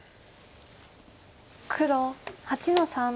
黒８の三。